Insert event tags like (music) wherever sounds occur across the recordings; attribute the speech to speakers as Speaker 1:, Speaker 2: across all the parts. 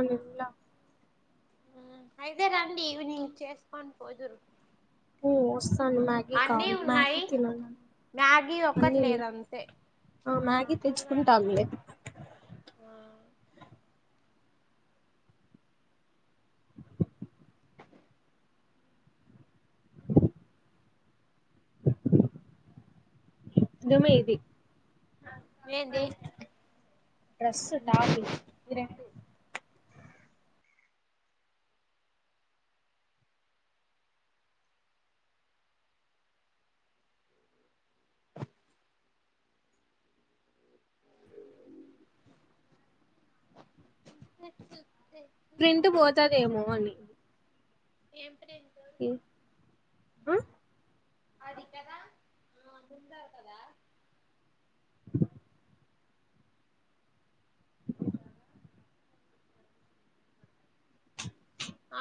Speaker 1: ఉంది ఫ్ల
Speaker 2: ఉమ్ అయితేే రండి ఈవినింగ్ చేసుకొని పోదురు
Speaker 1: ఊ వస్తాను మ్యాగీ
Speaker 2: అన్నీ
Speaker 1: కావాలి మ్యాగీ
Speaker 2: ఉన్నాయి
Speaker 1: తినాల
Speaker 2: మ్యాగీ ఒక్కటి
Speaker 1: అన్నీ ఉన్నా
Speaker 2: లేదు అంతే
Speaker 1: మ్యాగీ ఆ తెచ్చుకుంటానులే.
Speaker 2: ఆ
Speaker 1: నిజమే ఇది (inaudible)
Speaker 2: ఏంది
Speaker 1: డ్రెస్ టాప్ ఇవి రెండు ప్రింట్ పోతదేమో అని
Speaker 2: ఏం ప్రింట్
Speaker 1: ఏ ఆ
Speaker 2: అది కదా ఆ గుందారు కదా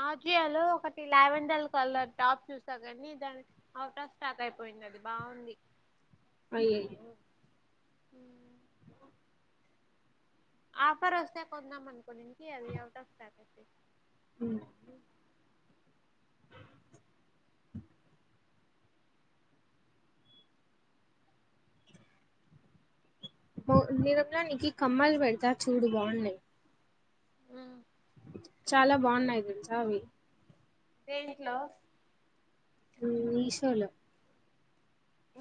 Speaker 2: ఆజియాలో ఒకటి ల్యావెండర్ కలర్ టాప్ చూసా కానీ దాని అవుట్ ఆఫ్ స్టాక్ అయిపోయింది అది బావుంది
Speaker 1: అయి అయి
Speaker 2: అమ్ ఆఫర్ వస్తే కొందాం మని కొన్నిటింకి అది ఎవుట్ ఆఫ్ స్టాక్
Speaker 1: అమ్ నిరంలోనికి కమ్మలు పెడతా చూడు బాగున్నాయి
Speaker 2: ఉమ్
Speaker 1: చాలా బాగున్నాయి తెలుసా అవి
Speaker 2: రెండిట్లో
Speaker 1: మీషోలో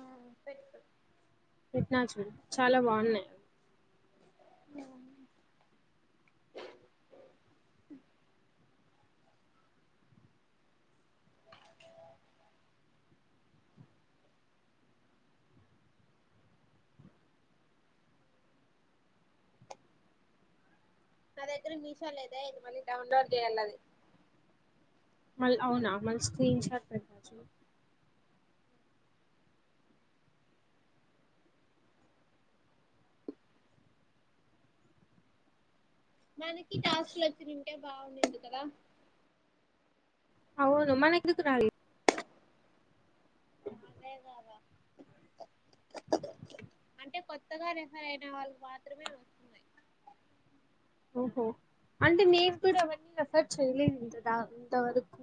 Speaker 2: ఆమ్ పెట్టుకుంటా
Speaker 1: విత్ నాచురల్ చాలా బాగున్నాయి
Speaker 2: అ మరి ఇద్దరు మీషోలో అయితే ఇది మళీ డౌన్లోడ్ చేయలను అది
Speaker 1: మళ్ళీ అవునా మళ్ళీ స్క్రీన్ షాట్ పెట్టొచ్చు
Speaker 2: మనకి టాస్క్ లు వచ్చింటే బాగుండేది కదా
Speaker 1: అవును మనకుకు నాయి
Speaker 2: అదే కదా అంటే కొత్తగా రిఫర్ అయిన వాళ్ళకి మాత్రమే వస్తున్నాయి
Speaker 1: ఓహో అంటే నేను కూడ ఎవరిని రెఫర్ చేయలేదు ఇంత దా ఇంత వరకు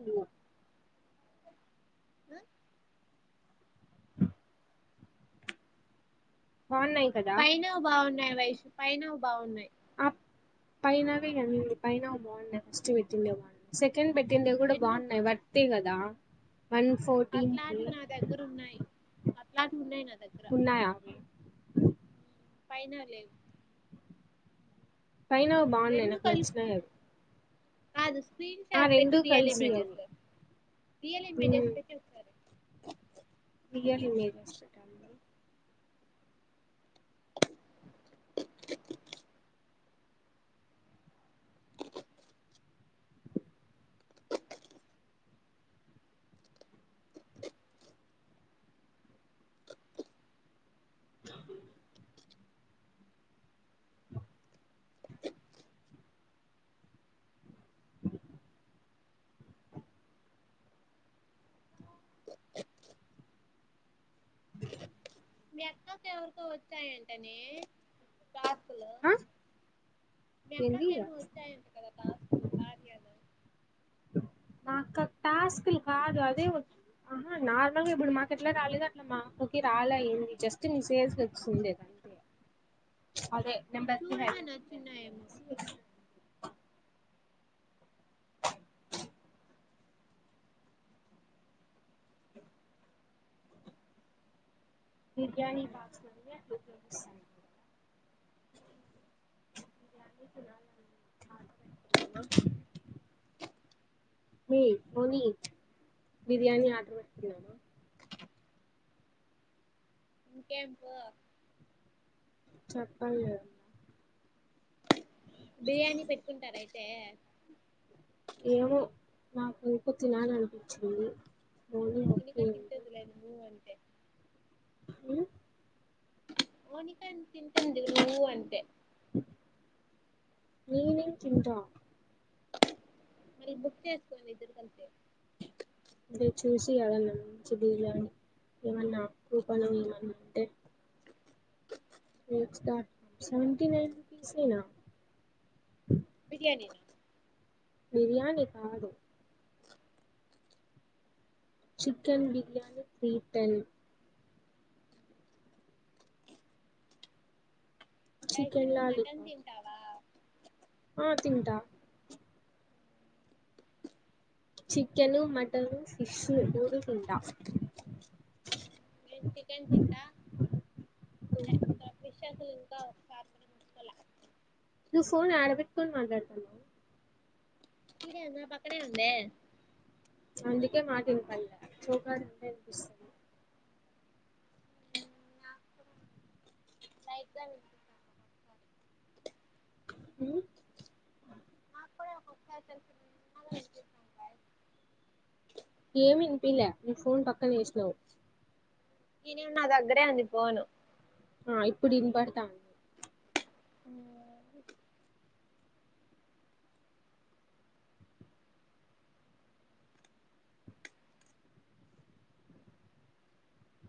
Speaker 2: (inaudible)
Speaker 1: బాగున్నాయి కదా
Speaker 2: పైైన బాగున్నా వయసు పైన బాగున్నాయి
Speaker 1: ఆ పైన వే ఇవ్వండి పైనవే బాగున్నాయి సెట్ తిన్ పెట్టిందివి కూడా
Speaker 2: రెండు
Speaker 1: బాగున్నాయి బట్ ప్రతే కదా వన్ ఫోర్టీన్ కి
Speaker 2: అట్లాంటివి నా దగ్గర ఉన్నాయి అట్లాటివి ఉన్నాయి నా దగ
Speaker 1: ఉన్నాయా అవి
Speaker 2: పైన లేవు
Speaker 1: పైన బాగున్నాయి నాకు నచ్చినాయి అవి
Speaker 2: అద (unintelligible) స్క్రీన్
Speaker 1: ఆ
Speaker 2: షార్ట్ పెట్టి
Speaker 1: రెండు
Speaker 2: రియల్
Speaker 1: కలిసి అవి
Speaker 2: ఇమేజెస్ రియల్ ఇమేజెస్ పెట్టి స్తారు
Speaker 1: రియల్ ఇమేజెస్ పెట్టాలి ద
Speaker 2: మియక్కకి ఎవరికో వచ్చాయంటనే కాసులు
Speaker 1: ఆ ఏంది
Speaker 2: మీయక్కకేమో వచ్చాయంట కదా కాసులు కార్యాలొ
Speaker 1: మా అక్కకు టాస్క్లు కాదు అదే వ అ. హా నార్మల్గా ఇప్పుడు మాకు ఎట్లా రాలేదొఅట్ల మాఅక్కకి రాలే అయింది జస్ట్ న సేల్స్ వస్తుండె అదే నెంబర్కి
Speaker 2: చూడగా
Speaker 1: హై
Speaker 2: నచ్చంన్నాయెమొ
Speaker 1: బిరియాని (inaudible) మీ పొని బిర్యానీ ఆర్డర్ పెట్టుకుందామా
Speaker 2: కేంపు
Speaker 1: చెప్పనులే
Speaker 2: బిర్యానీ పెట్టుకుంటార అయితే
Speaker 1: ఏమో నాకు ఎంకో తినాలనిపించింది ఓని ఓకే
Speaker 2: మౌనికా
Speaker 1: అంటే
Speaker 2: తింటదిలె నువ్ ఉ.. అంటే
Speaker 1: మ్..
Speaker 2: మోనిక ఎంత తింటంది నువ్వు అంతే
Speaker 1: నేనేం తింటా
Speaker 2: మళ్ళీ బుక్ చేసుకోండి ఇద్దరుకలిసి
Speaker 1: దే చూసి యాదన్న మంచిదిగాని ఏమన్నా కూపన్లు ఏమన్నా ఉంటే వెబ్స్ డాట్ సెవెన్టీ నైన్ రూపీసేనా
Speaker 2: బిర్యానీ నా
Speaker 1: బిర్యాని కాదు chicken biryani three ten
Speaker 2: Vaishu
Speaker 1: chicken
Speaker 2: mutton
Speaker 1: lollipop
Speaker 2: తింటావా
Speaker 1: ఆ తింటా చికెను మటను ఫిష్ మూడు తింటా
Speaker 2: నేన్ చికెన్ తింట అంతే గా ఫిషెస్. కావ్ కార్ పొడి ముసుకోల్లే
Speaker 1: నువ్ ఫోన్ యాడబెట్టుకొని మాట్లాడుతన్నావ్
Speaker 2: ఈడే నా పక్కనేే ఉందే
Speaker 1: అందుకే మాట ఇనపడలె చెవి కాడ ఉంటె వినిపిస్తుంది
Speaker 2: నాకు లైట్ గా వినిపిస్తాంది ఒక్కొక్కసారి
Speaker 1: మ్...
Speaker 2: మా కూడా (unintelligible)
Speaker 1: ఏమీ విసిపిల్యా నువ్ ఫోన్ పక్కకుతీసినవ్
Speaker 2: ఇనే నా దగ్గరే ఉంది ఫోను
Speaker 1: ఆ ఇప్పుడు ఇనుబడుతాంది
Speaker 2: (unintelligible)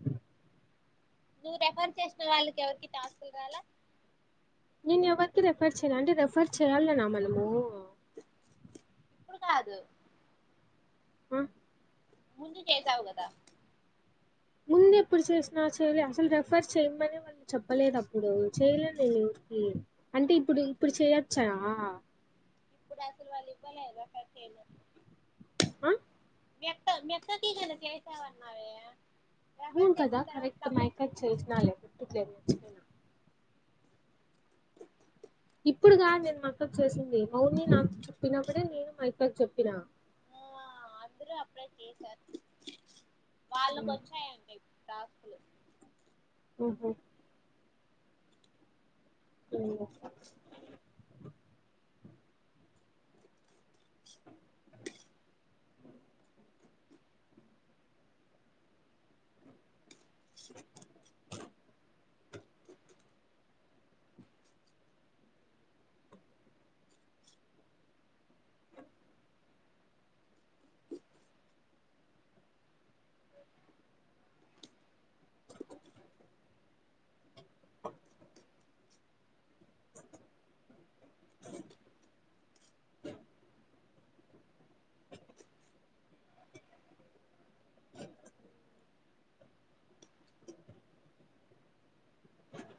Speaker 1: అ
Speaker 2: నువ్వు రెఫర్ చేసిన వాళ్ళకి ఎవరికి టాస్కులు రాలే
Speaker 1: నేను ఎవరికి రెఫర్ చేయను అంటే రెఫర్ చేయాలనా మనము
Speaker 2: ఇప్పుడు కాదు
Speaker 1: ఆ
Speaker 2: ముందు చేసావు గదా
Speaker 1: ముందు ఎప్పుడు చేసినా చేయలే అసలు రెఫర్ చేయమనే వాళ్ళు చెప్పలేదు అప్పుడు చెయలే నేనెవరికి, అంటే ఇప్పుడు ఇప్పుడు చేయొచ్చా.
Speaker 2: ఇప్పుడు అసలు వాళ్ళు ఇవ్వలేద (unintelligible)
Speaker 1: ఆ
Speaker 2: మీ యక్క మీ అక్కకి ఏదో చేసావ్ అన్నావే
Speaker 1: అవును కదా కరెక్ట్ మాయక్కకు చేసినాల్లే గుర్తుకులేదు మర్చిపోయిన ఇప్పుడు కాదు నేను మా అక్కకు చేసింది మౌని నాకు చెప్పినప్పుడే నేను మాయక్కకి చెప్పినా
Speaker 2: ఆ అందురు అప్పుడే చేసారు వాళ్ళకొచ్చాయంటే టాస్కులు
Speaker 1: ఓహో వునులే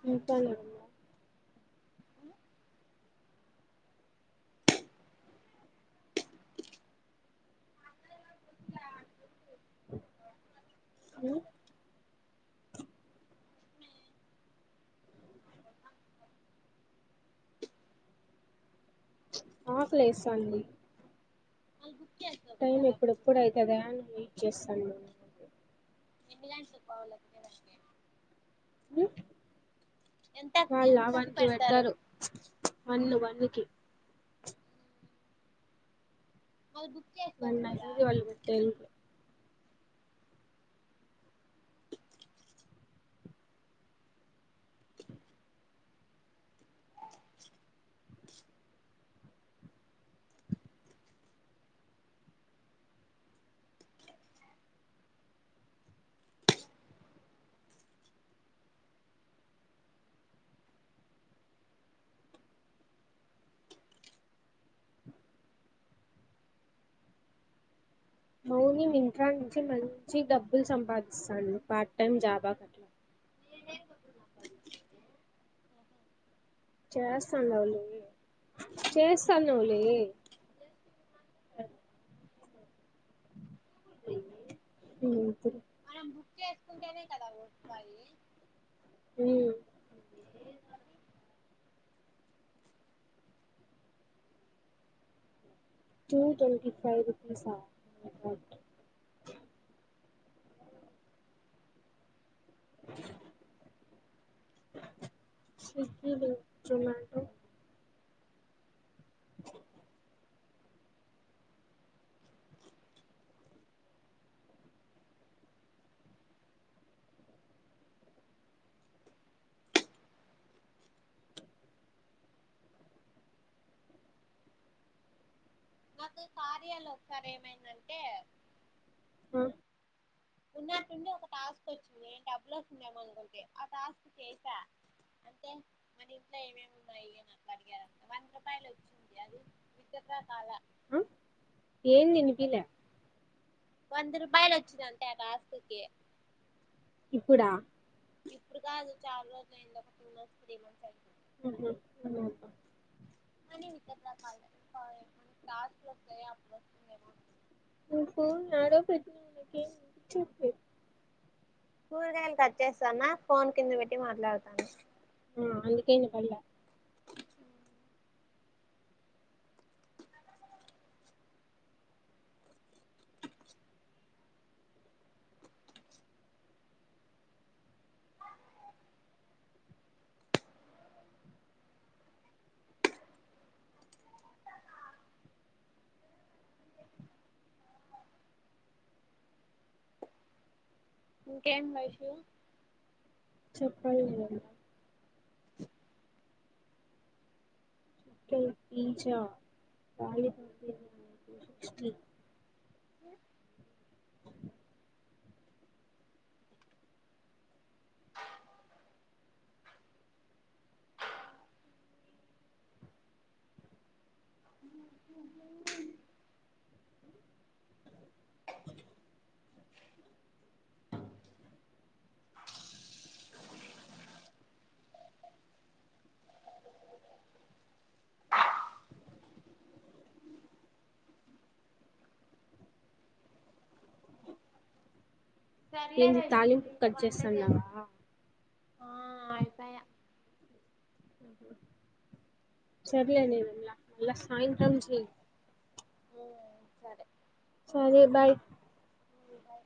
Speaker 1: నీకాన్నుందా
Speaker 2: (unintelligible)
Speaker 1: ప్చ్ ఆకలేేస్సాంది
Speaker 2: మళ్ళీ బుక్ చేసుకోకూడదా
Speaker 1: టైమ్
Speaker 2: డబ్బులు
Speaker 1: ఎప్పుడెప్పుడు అయితదా అని వెయిట్ చేస్ తన్నా (unintelligible)
Speaker 2: ఇంగ్లాడ్స్ కు పోవాల తినేదానికి
Speaker 1: మ్మ్ వాళ్ళ
Speaker 2: ఎంతకు
Speaker 1: వన్కి
Speaker 2: పెడతారు
Speaker 1: వచ్చారు వన్ను వన్ను ఓకే
Speaker 2: మళ్ళీ బుక్
Speaker 1: మొన్న
Speaker 2: చేసుకోవచ్చు కదా
Speaker 1: నైట్ కళాపెటిన్లు ఓన్లీ మింట్రా నుంచే మంచి డబ్బులు సంపాదిస్తాను పార్ట్ టైమ్ జాబ్ ఆమెకి చేస్తాను నలువి చేస్తాను నలువి (unintelligible)
Speaker 2: మనం బుక్ చేసుకుంటేనే కదా ఓ రపాయి
Speaker 1: ఉమ్
Speaker 2: అది
Speaker 1: టూ ట్వంటీ ఫైవ్ రూపీస్ ఆ స్విగ్గీ లో చూడండి
Speaker 2: మాకు కార్యాలో ఒకసారి ఏమైందంటే
Speaker 1: ఆ
Speaker 2: ఉన్నట్టుండి ఒక టాస్క్ వచ్చింది డబ్బులు వస్తుందేమో అనుకుంటి, ఆ టాస్క్ చేసా అంటే మన ఇంట్లో ఏమేమి వున్నాయి అని అట్లా అడిగారు, వంద్ రూపాయలు వచ్చింది అది విత్ డ్రా కాలే
Speaker 1: ఏం తినిపిలే
Speaker 2: వంద రపాయలు వచ్చినాన్ తన ఆస్తికి
Speaker 1: ఇప్పుడ
Speaker 2: ఇప్పుడు కాదు చాల రోజులు అయింది ఒక టూ మంత్స్ త్రీ మంత్స్ అయిపోంది
Speaker 1: ఉహ్ ఉమ్ ఏమో అక్క
Speaker 2: అనీ ఇక్కడరా (unintelligible)
Speaker 1: నుకు ఏదో ఒకటి నక్ ఏం వినిపించట్లేదు
Speaker 2: కూరగాయలు కట్ చేస్తానా, ఫోన్ కింద వెట్టి మాట్లాడతానా
Speaker 1: (unintelligible) పళ్ళ
Speaker 2: ఇంకేం వైషు
Speaker 1: చెప్పాలి చికెన్ పీజ్జా వాళ్ళు (unintelligible)
Speaker 2: అ
Speaker 1: (inaudible)
Speaker 2: అ
Speaker 1: (inaudible)
Speaker 2: సర్లే
Speaker 1: ఏంది
Speaker 2: వైష్ణవి
Speaker 1: తాలింపు
Speaker 2: ఇంకా
Speaker 1: కట్
Speaker 2: వంట
Speaker 1: చేస్తాన్నావా
Speaker 2: చేస్తా ఆ అయిపాయా
Speaker 1: ఉహ్ ఉమ్ సర్లే దివ్య మల్ల సాయంత్రం చేయి
Speaker 2: ఉమ్ సరే
Speaker 1: సరే బాయ్
Speaker 2: ఉమ్ బాయ్